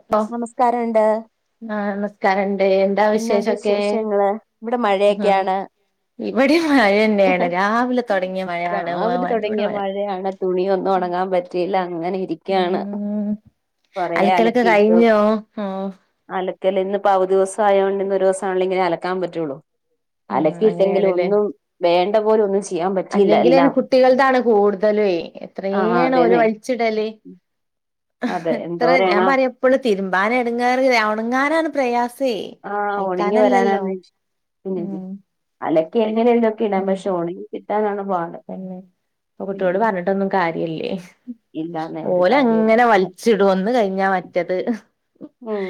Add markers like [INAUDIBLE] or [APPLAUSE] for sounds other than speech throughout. പ്പം നമസ്കാരമുണ്ട് ആ നിക്കാരണ്ടേ എന്താ എന്നാണ്ട് വിശേഷൊക്കെ വിശേഷങ്ങള് ഇവിടെ മഴയൊക്കെയാണ് ഇവിടിം മഴന്നെണ് രാവിലെ തുടങ്ങിയ മഴയാണ് മഴനോട് മഴ തൊടങ്ങാൻ പറ്റും. അങ്ങനെ ഇരിക്ക ആണ് ഉം കൊറേ അലക്കലൊക്കെ അലക്കിയിട്ടു കഴിഞ്ഞോ ഓ അല ല്ല ഇപ്പ അവ ദിവസ ആയതോണ്ട് ഇന്ന് ഒരു ദസം ആണങ്കേ ഇനെ അലക്കാൻ പറ്റുള്ളൂ ഉം അലക്കിയിട്ടെങ്കിലും ഒന്നും വേണ്ട പോലെ ഒന്നും ചെയ്യാൻ പറ്റിയില്ല അല്ലെങ്കില ന്നെ എല്ലാം കുട്ടികൾതാണ് കൂടുതലേ ആ എത്രേണ് ഓല് അതേന്നെ വലിച്ചിടല് അതെ എത്ര ഞാൻ എന്തോരാണ് പറയപ്പളും തിരുമ്പാന് എടങ്ങേറ് ഒണങ്ങാനാണ് പ്രയാ അേ ആ ഉണങ്ങി അൽക്കാനല്ലല്ലോ വരാനാന്ന് പിന്നെ ഉ അലക്കി എങ്ങനെയെങ്കിലുമൊക്കെ ഇടാം ഉ പക്ഷെ ഉണങ്ങി കിട്ടാനാണ് പാട് പിന്നെ കുട്ടിയോട് പറഞ്ഞിട്ടൊന്നും കാര് ഇല്ലേ. ഇല്ലാന്നെ ഒരു പഓലങ്ങനെ കാര്യമില്ല വൽച്ചിടും ഒന്ന് കഴിഞ്ഞാ മറ്റത് ഉം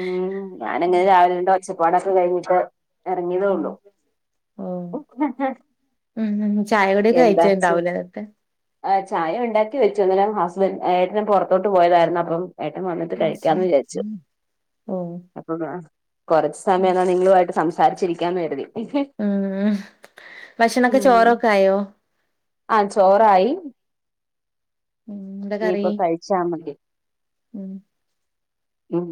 ഉം ഞാനങ്ങനെ രാവിലെ രണ്ട് ഒച്ചപ്പാടൊക്കെ കഴിഞ്ഞിട്ട് ഇറങ്ങിയതേ ഉം ഉള്ളൂ ഓ ഉം ചായ കുടിയൊക്കെ എന്താച്ച് കഴിച്ചിണ്ടാവൂലേ എന്നിട്ട് ആ ചായ ഉണ്ടാക്കി വെച്ചു അന്നേരം ഹസ് ഏട്ടൻ പൊറത്തോട്ട് പോയതാരുന്നു അപ്പം ഏട്ടൻ വന്നിട്ട് കഴിക്കാന്ന് വിചാരിച്ചു ഓ അപ്പ കുറച്ച ഉം സമയം ഒന്ന് നിങ്ങളുമായിട്ട് സംസാരിച്ചിരിക്കാന്ന് കരുതി ഉം ഭക്ഷണ ഒക്കെ ചോറൊക്കെ ആയോ ആഹ് ചോറായി ഉം എന്താ ഇനിപ്പ കറി കഴിച്ചാ മതി ഉം ഉം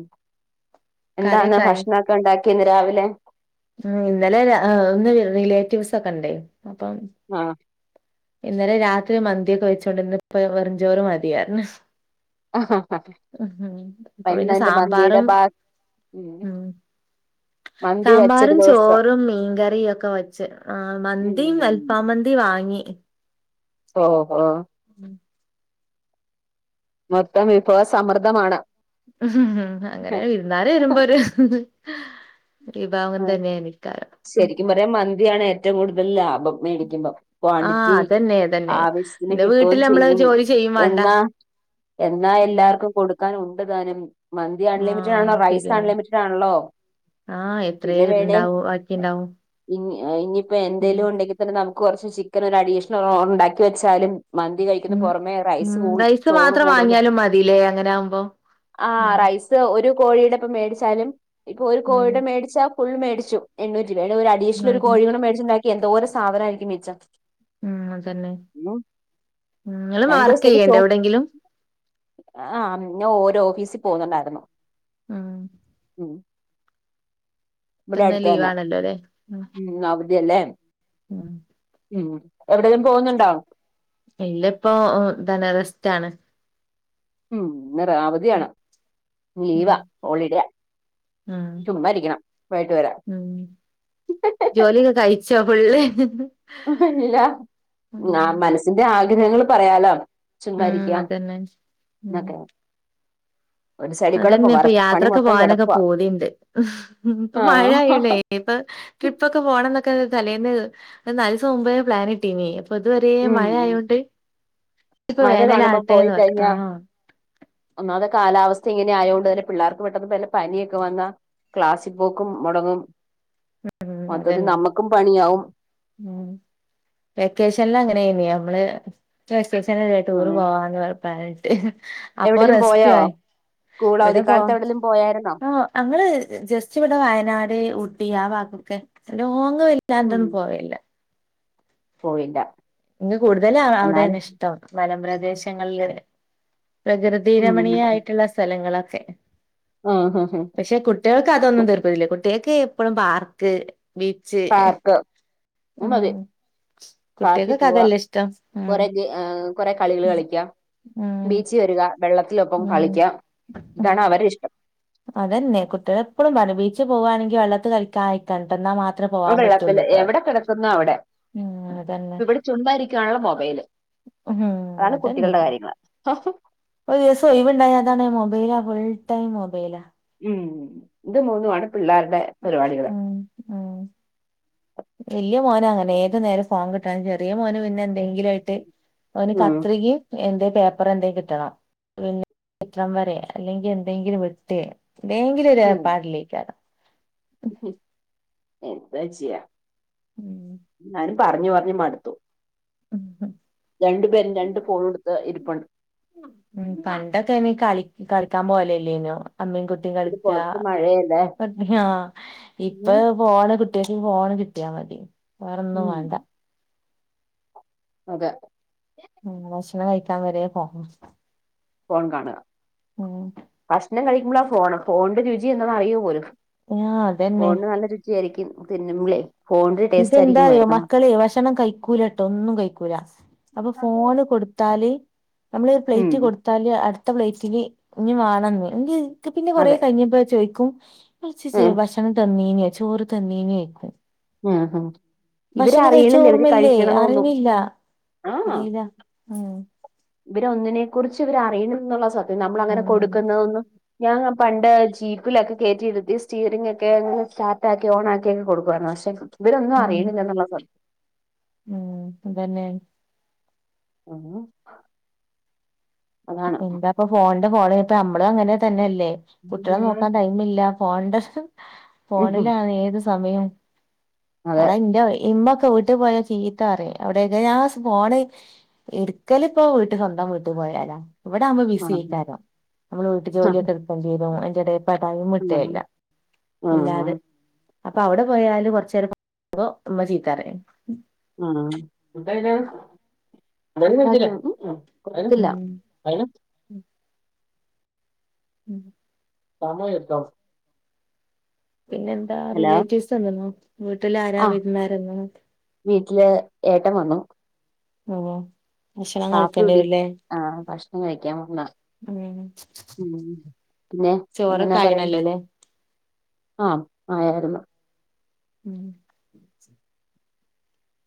എന്താണ് കറിയൊക്കെ ആയോ ഭക്ഷണൊക്കെ ഉണ്ടാക്കിയേന്ന് രാവിലെ ഇന്നലെ ഒന്ന് റിലേറ്റീവ്സ് ഒക്കെ ഉണ്ടേ അപ്പം ആഹ് ഇന്നലെ രാത്രി മന്തിയൊക്കെ വെച്ചോണ്ടിന്ന്. ഇപ്പൊ വെറുഞ്ചോറ് മതി പറഞ്ഞു ആഹാ ഉഹും അപ്പൊ പിന്നെ മന്തിയുടെ സാമ്പാറും ബാ ഉം മന്തി വെച്ചൊരു സാമ്പാറും ദിവസം ചോറും മീൻകറിയ ഒക്കെ വെച്ച് ആ മന്തിയും ഉം അൽപാമന്തിയും വാങ്ങി ഓഹോ ഉം മൊത്തം വിഭവ സമർദ്ദമാണ് ഉം അങ്ങനെ വിരുന്നാല വരുമ്പോ ഒരു വിഭഗം തന്നെയാ എനിക്കാ ശരിക്കും പറഞ്ഞ മന്തിയാണ് ഏറ്റോം കൂടുതൽ ലാഭം മ്പം മേടിക്കുമ്പം ആഹ് ക്വാണ്ടിറ്റി അതന്നെ അതന്നെ ആവശ്യത്തിന് പിന്നെ വീട്ടിൽ കിട്ടുവോം നമ്മള് ചെയ്യും ജോലി ചെയ്യും വേണ്ട എന്നാ എന്നാ ഉം എല്ലാർക്കും കൊടുക്കാൻ ഉണ്ട് താനം മന്തി അൺലിമിറ്റഡ് ആണല്ലോ റൈസ് അൺലിമിറ്റഡ് ആണല്ലോ ആഹ എത്രയ പിന്നെ വേണേ ഇണ്ടാവും ബാക്കിണ്ടാവും ഇനി ഇനിയിപ്പെ ഉം എന്തേലും ഉണ്ടെങ്കിൽ തന്നെ നമുക്ക് കുറച്ച് ചിക്കൻ ഒരു അഡീഷണൽ ഉണ്ടാക്കി വെച്ചാലും മന്തി കഴിക്കുന്ന ഉം പൊറമേ റൈസ് ഉം കൂ റൈസ് ചോറ് മാത്രം കൂടുതല് വാങ്ങിയാലും മതില്ലേ അങ്ങനെ ആവുമ്പോ ആഹ് ഉം റൈസ് ഒരു കോഴിയുടെ ഇപ്പ മേടിച്ചാലും ഇപ്പൊ ഒരു ഉം കോഴിയുടെ മേടിച്ചാ ഫുൾ മേടിച്ചു എണ്ണൂ [UNINTELLIGIBLE] ഒരു അഡീഷണൽ ഒരു ഉം കോഴികളെ മേടിച്ച്ണ്ടാക്കിയാ എന്തോര് സാധനെക്കാരം മിച്ചം ഉം അതന്നെ നിങ്ങള് വർക്ക്യ്യേണ്ടോ എവിടെങ്കിലും ആ് ഞ ഓരോ ഓഫീസിൽ പോകുന്നുണ്ടായിരുന്നു ആഹ് ഉം ഇവിടെ അടുത്ത് ലീവ് തന്നാ ആണല്ലോ ഉം അവധിയല്ലേ ഉമ് ഉം എവിടെലും പോവുന്നുണ്ടോ ഇല്ല ഇപ്പോൊ ധനരസ്റ്റ്ാണ് ഉം ഇന്ന് റാ വധിയാണ് ലീവാ ഹോളിഡേ ആ വൈകിട്ട് വരാം ഉ ജോലിയൊക്കെ കഴ ച്ചോ ഫുള്ള് ഇല്ല ഉം ആ മനസ്സിന്റെ ആഗ്രഹങ്ങൾ പറയാലോ ചുമ്മാ ഉം ഇരിക്കാം അതന്നെ ഉം എന്നക്കെ അതന്നെ ഇപ്പൊ യാത്രക്കെ മൊത്തം പോവാനൊക്കെ കിടക്കുവാ പൂതിണ്ട്. ഇപ്പൊ മഴ ആ ആയൊണ്ടെ ഇപ്പൊ ട്രിപ്പ് ഒക്കെ പോണം ന്നൊക്കെ തലേന്ന് നാലീസം മുമ്പേ പ്ലാനിട്ടീനി ഇപ്പ ഇതുവരെ ഉം മഴ ആയോണ്ട് ഇപ്പൊ മഴ കാണുമ്പം പോയി വേനലാവട്ടെന്ന് പറഞ്ഞു കഴിഞ്ഞാ ആഹ് ഒന്നാത്തെ കാലാ ഇങ്ങനെ ആയത് കൊണ്ട് തന്നെ പിള്ളേർക്ക് പെട്ടെന്ന്ല്ല പനിയൊക്കെ വന്നാ ക്ലാസി പോക്കും മുടങ്ങും ഉം മൊത്തത്തിൽ അതന്നെ നമ്മുക്കും പണിയാവും വെക്കേഷ െല്ലാം അങ്ങനെന്നെയ നമ്മള് ടൂർ ഉം പോവാന്ന്റപ്പട്ട് അപ്പൊ റസ്റ്റ്‌ കൂളഅവധിക്കാലത്ത് എവിടേലും പോയൊ ആ അങ്ങള് ജസ്റ്റ് ഇവിടെ വയനാട് ഊട്ടി ആ ഭാഗം [UNINTELLIGIBLE] ലോങ് ഉം [UNINTELLIGIBLE] പോവില്ല പോയില്ല ഇങ്ങ് കൂടുതല് അവിടേണ് എന്നാലും ഇഷ്ടം വനം പ്രദേശങ്ങളില് പ്രകൃതി ഉം രമണീയായിട്ടുള്ള സ്ഥലങ്ങളൊക്കെ ആഹ് ഹ പക്ഷെ കുട്ടികൾക്ക് അതൊന്നും തിർപ്പിതില്ല കുട്ടികൾക്ക് എപ്പഴും പാർക്ക് ബീച്ച് ഉമ് പാർക്കി പൂവാം ഉം കൊറെ കൊറെ കളികള് കളിക്കാം ഉം ബീച്ച് വരിക വെള്ളത്തിലൊപ്പം ഉം കളിക്ക ഉം ഇതാണ് അവരെ ഇഷ്ടം അതന്നെ കുട്ടികള എപ്പോഴും പണ ബീച്ചിൽ പോകുവാണെങ്കി വെള്ളൽ കഴിക്കാ ആയിക്കണ്ട എന്നാ മാത്ര ഓ വെള്ളത്തില് എവിടെ കെടക്കുന്നോ അവ്ടെ ഉം അതന്നെ ഇവിടെ ചുമ്മാ ഇരിക്കാ [UNINTELLIGIBLE] മൊബേല് ഉം അതന്നെ ഒരു ദിവസം ഒഴവണ്ടായതാണ് മൊബൈൽ ഫുൾ ടൈം മൊബൈലാ ഉം ഇത് മൂന്നുമാണ് പിള്ളേരുടെ പരിപാടികള് ഉം ഉം വല്യ മോന് അങ്ങനെ ഏത് നേരം ഫോൺ കിട്ടണം ചെറിയ മോന് പിന്നെ എന്തെങ്കിലും ആയിട്ട് അവന് ഉം കത്രിക എന്ത പേപ്പർ എന്തെങ്കിലും കിട്ടണം പിന്നെ കിട്ടണം വരെ അല്ലെങ്കിൽ എന്തെങ്കിലും വേട്ട ഭയങ്കര ഒരു ഉം പാടില്ലേക്കാരോ എന്താ ചെയ്യാ ഉം എന്നാലും പറഞ്ഞു പറഞ്ഞു മടുത്തു ഉം ഹും രണ്ടു പേരും രണ്ട്ു ഫോള എടുത്ത് ഇരിപ്പുണ്ട് ഉ പണ്ടൊക്കെ ഇനി കള കളിക്കാൻ പോലല്ലേനോ അമ്മയും കുട്ടിയും ഇത് കളിക്കട്ട പുറത്ത് മഴയല്ലേ ആ ഇപ്പ ഉം പോണ കുട്ട പോണ് കിട്ടിയാ മതി വേറെ ഒന്നും ഉം വേണ്ട അതെ ഉ ഭക്ഷണം കഴിക്കാൻ വര പോ ഫോൺ കാണുക ഭക്ഷണം കഴിക്കുമ്പോളാ ഫോണ് ഫോണിന്റെ രുചി എന്ന അറിയോ പോലും ആഹ അതന്നെ തിന്നളേ ഇതെന്താറിയോ മക്കളെ ഭക്ഷണം കഴിക്കൂലട്ടോ ഒന്നും കഴിക്കൂല അപ്പൊ ഫോണ് കൊടുത്താ നമ്മള് ഒരു ഉം പ്ലേറ്റ് കൊടുത്താല് അടുത്ത പ്ലേറ്റില് കുഞ്ഞ് വേണംന്ന് എ പിന്നെ കുറേ അതെ കഴിഞ്ഞപ്പോ ചോദിക്കും ഉം ഭക്ഷണം തന്നീ ചോറ് തന്നേനെ കഴിക്കും ഉം ഉം ഇവര് ഭക്ഷണം കഴിച്ച അറിയണില്ല ഇവര് ഓർമ്മല്ലേ കഴിക്കണതൊന്നും അറിന്നില്ല അറീല്ല ഉം ഇവര് ഒന്നിനെ കുറിച്ച് ഇവർ അറിയണം എന്നുള്ള സത്യം നമ്മൾ അങ്ങനെ ഉം കൊടുക്കുന്നന്ന് ഞാ പണ്ട് ജീപ്പിലൊക്കെ കയറ്റിെടുത്തി സ്റ്റിയറിംഗ ഒക്കെ അനെ സ്റ്റാർ ആാക്കി ഓൺ ആക്കിൊക്കെ കൊടുക്കുമായിരുന്നു പക്ഷെ ഇവരൊന്നും ഉം അറണില്ല എന്നുള്ള സ ഉം അതന്നെ ഉഹ എന്താപ്പൊ ഫോണിന്റെ ഫോണ ഇപ്പ നമ്മളും അങ്ങനെ തന്നെയല്ലേ കുട്ടികളെ നോക്കാൻ ടൈമ ഇല്ല ഫോണന്റെ ഉം. ഫോണിലാണ് ഏത് സമയവും അതെ അട ഇന്റെ വീട്ടിൽ പോയാ ചീത്ത അറിയ അവിടെയക്കെ ഞാ ഫോണ് എടുക്കലിപ്പോ വീട്ടിൽ സ്വന്തം വീട്ട പോ ഇവിടെകുമ്പോ ബിസി അതെ. ആക്കാരോ നമ്മള് വീട്ടു ജോലിയൊക്കെ എക്കം ചെയ്തു എട ടൈം ഉം. ഇട്ടേല്ല ഉം. ഉം. വല്ലാതെ അപ്പൊ അവിടെ പോയാല് കൊറച്ച് അപ്പം ചീത്ത പറയും ആ അ ഉം [UNINTELLIGIBLE] ഉം എടുത്തോ പിന്നെ എന്താ റിലേറ്റീവ്സ് വന്ന്ണോ വീട്ടിൽ ആരാ ആ വരുന്നരന്നോ ഏട്ടം വന്നു ആ ഭക്ഷണം കാപ്പി കഴിക്കേണ്ട കുടി വരല്ലേ ആ ഭക്ഷണം കഴിക്കാൻ വന്ന ഉ ഉം പിന്നെ ചോറ് എങ്ങനെ പറയും കഴണല്ലോല്ലേ ആ ആയായിരുന്നു ഉം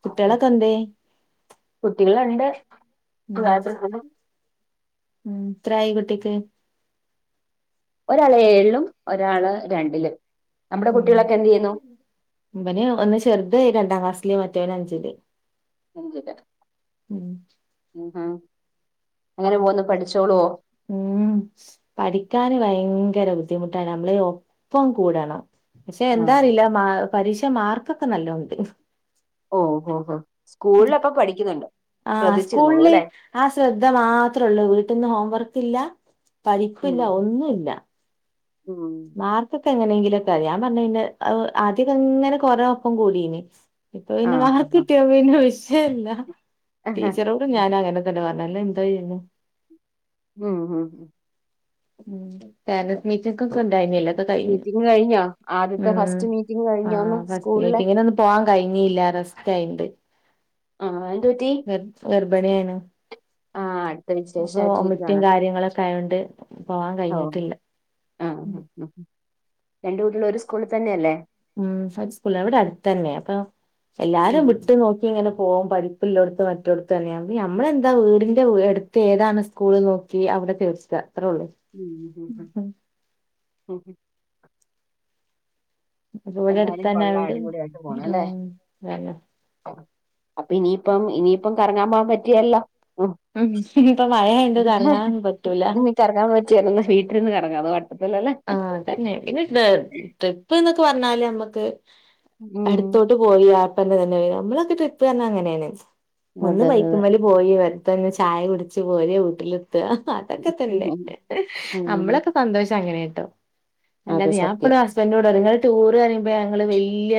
കുട്ടികളൊക്കെ എന്തിയെ കുട്ടികളുണ്ട് ഉം ഉം എത്രായി കുട്ടിക്ക് ഒരാള് ഏഴിലും ഒരാള് രണ്ടിലും നമ്മുടെ ഉം കുട്ടികളൊക്കെ എന്ത് ചെയ്യുന്നു മ്പന് ഒന്ന് ചെറുത് രണ്ടാം ക്ലാസ് മറ്റേവന അനസി [UNINTELLIGIBLE] ഉം ഉ ഹം എങ്ങനെ പോന്ന് പഠിച്ചോളുവോ ഉം പഠിക്കാന് വയ ഭയങ്കര ബുദ്ധിമുട്ടാ നമ്മള് ഒപ്പം കൂടണം പക്ഷെ എന്താ അറീല മാ പരീക്ഷ മാർക്കൊക്കെ നല്ലതോണ്ട് ഓ ഹ ഹ സ്കൂളിൽപ്പൊ പഠിക്കുന്നുണ്ട്ോ ആഹ സ്കൂളില് ആ ശ്രദ്ധ മാത്രേ ഉള്ളൂ വീട്ടിൽന്ന് ഹോം വർക്ക് ഇല്ല പഠിക്കില്ല ഉം ഒന്നുമില്ല മാർക്കൊക്കെ എങ്ങനെയെങ്കിലൊക്കെ ഞാൻ പറഞ്ഞ കഴെ ആധികം എങ്ങനെ കൊറ ഒപ്പം കൂടീന് ഇപ്പൊ പിെ ആ മ ആ കിട്ടിയുമ്പോ ഇെ വിഷയമല്ല ടീച്ചറോട് ഞാൻ അങ്ങനെ തന്നെ പറഞ്ഞു [UNINTELLIGIBLE] എന്താ ചെയ്യുന്നേ മ്മ് മ് മ് ഉം തന്നെ മീച്ചക്ക കൊണ്ടായിനി ല്ലെ മീറ്റിംഗ് കഴിഞ്ഞോ ആദ്യത്തെ ഫസ്റ്റ് മീറ്റിംഗ് കഴിഞ്ഞോന്ന് സ്കൂളിലെ ഇങ്ങന ഒും പോവാൻ കഴിഞ്ഞല്ല വസ്ഥായിണ്ട് ആഹ എന്ത് പറ്റീ വിപണിയാണ് അപ്പൊ ഒമറ്റും വിശേഷമായിട്ടിരിക്കുവാണല്ലേ കാര്യങ്ങളൊക്കെ ആയോണ്ട് പോവാൻ ഓ കഴിഞ്ഞിട്ടില്ല ആ രണ്ടു കുട്ടികളും ഒരു സ്കൂളിൽ തന്നെയല്ലേ ഉ സ്ക ഇവിടെ അടുത്ത തന്നെ അപ്പൊ ഉം എല്ലാരും വിട്ട് നോക്കി ഇങ്ങനെ പോകം പരിപ്പില്ലടത്തും മറ്റോടത്ത് തന്നെയ നഞമ്മളെന്താ വീടിന്റെ അടുത്ത് ഏതാണ് സ്കൂൾ നോക്കി അവവിടെ തേർച്ചത [UNINTELLIGIBLE] അപ്പൊ ഇവിടെ അടുത്ത് എന്തായാലും തന്നെ കൊള്ളം ആയോണ്ട് അടിപൊളിയായിട്ട് പോണം അല്ലേ ഉം അതന്നെ അപ്പൊ ഇനിയിപ്പം ഇനിയിപ്പം കറങ്ങാൻ പോകാൻ പറ്റിയല്ലോ ഉ ഉം ഇപ്പൊ മഴയായോണ്ട് കറങ്ങാൻ പറ്റൂല ഇ നക്ക് ഇറങ്ങാൻ പോട്ട [UNINTELLIGIBLE] വീട്ടിന്ന് കറങ്ങാം അത് വട്ടത്തിലല്ലേ ആ അതന്നെ പിന്നെ ട്രിപ്പ് എന്നൊക്കെ പറഞ്ഞാല് നമ്മുക്ക് ഉം അടുത്തോട്ട് പോയി ആപ്പന്നെ തന്നെ വര നമ്മളൊക്കെ ട്രിപ്പ് തഞ്ഞ അങ്ങനെയാണ് ഒന്ന് അതെ അതെ പൈക്കുമ വല പോയി വറത്തെ ചായ കുടിച്ച്ു പോര് വീട്ടിൽ അതൊക്കെ തന്നെ അതെ ഉം നമ്മളൊക്കെ സന്തോഷം അങ്ങനൊട്ടോ അല്ലാെ അത് ഞാൻപ്പഴും സത്യം ഹസ്ബൻഡറോൂടെ നിങ്ങൾ ടൂർ പറയുമ്പോ ഞങ്ങള് വല്ിയ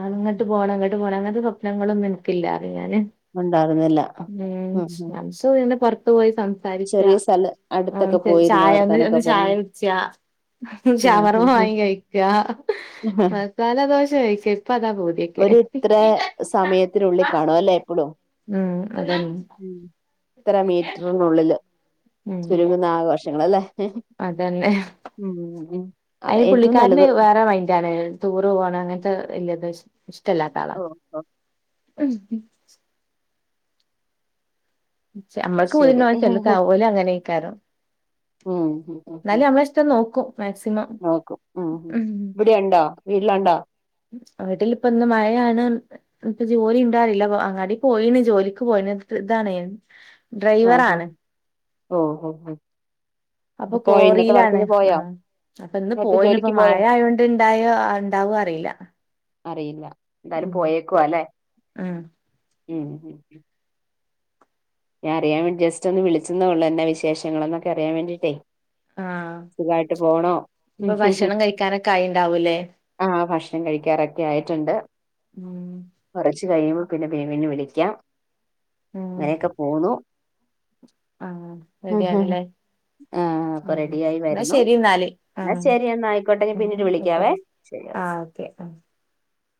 അങ്ങോട്ട് പോണം അങ്ങോട്ട് പോണം അങ്ങനത്തെ സ്വപ്നങ്ങളൊന്നും നിനക്കില്ല ചെയ്യാന് ഉണ്ടായിരുന്നില്ല ഉം [UNINTELLIGIBLE] സംസാരിക്ക ചെറിയ സ്ഥലം ആ അടുത്തൊക്കെ ശരി പോയിരുന്നു ചായ ഒന്ന് വർത്താനൊക്കെ ഒന്ന് ചായ പറഞ്ഞു കുടിച്ച ഉം ശവർമ ഉം ഉം വാങ്ങി കഴിക്ക മസാല ദോശ കഴിക്ക ഇപ്പൊഅതാ പൂതിയൊക്കെ ള്ളിക്ക കാണോ അല്ലേ എപ്പോഴും ഉം അതന്ന എത്ര മീറ്ററിനുള്ളില് ഉം ചുരുങ്ങുന്നാഗ വർഷങ്ങളല്ലേ അതന്നെ ഉം. അതാ അതിന് ഏറ്റവും പുള്ളിക്കാരന് നല്ലത് വേറെ മൈൻഡ് ആണ് ടൂർ പോകണം അങ്ങന ഇ ഇല്ലത് ഇഷ്ടല്ലാത്തള ഓ ഓ നമ്മക്ക് ശരി പുതിന്ന ഉം [UNINTELLIGIBLE] ഓല് അങ്ങനെക്കാറും ഉം ഉ ഉ ഉ നോക്കും മാക്സിമം നോക്കും ഉം ഉ ഇവിടെ ഉണ്ടോ വീട്ടിലാണ്ടാ വീട്ടില് ഇപ്പൊന്ന് മഴയാണ് അപ്പ ജോലി ഉണ്ടോ അറീല അങ്ങാടി പോയീണ് ജോലിക്ക് പോയീ [UNINTELLIGIBLE] ഇതാണ് ആഹ് ഹഹ് ഡ്രൈവറാണ് ഓ ഹഓ ഹ. അപ്പൊ ഇപ്പോപോയോ ഇന്നത്തെ കോറിയിലാണ് വർക്കന് പോയോ. ആഹ് അപ്പൊ ഇന്ന് ഇന്നത്തെ പോയിന ഇപ്പ ജോലിക്ക് മഴ പോയോ ആയോണ്ട് ഇണ്ടായോ ഇണ്ടാവ അറീല. അറിയില്ല എന്താലും പോയേക്കുവ അല്ലേ ഉം ഉം ഉ ഉ ഞാൻ അറിയൻ വേണ്ടി ജസ്റ്റ് ഒന്ന് വിളിച്ചതേള്ള എന്നാ വിശേഷങ്ങൾ എന്നൊക്കെറിയാൻ വേണ്ടിയിട്ടേ ആഹ് സുഖായിട്ട് പോണോ ഇപ്പൊ ഭക്ഷണം കഴിക്കാനൊക്കെ ആയിണ്ടാവൂലേ ആ ഭക്ഷണം കഴിക്കാറൊക്കെ ആയിട്ടുണ്ട് ഉം. ച്ച്കയുംമ്പോ പിന്നെ ബേബിനെ വിളിക്കാം ങ്ങനെയക്കെ. ഒ. ആഹ റെഡിയണ്ലെ. ഉ അപ്പൊ റെഡിയായി എന്നാ വരുന്നു ശരി എന്നാല്േ എന്നാ ശരി എന്നാ ആയിക്കോട്ടെ ഞാൻ പിന്നീട് വിളിക്കാവേ ശരി ആ ഓക്കെ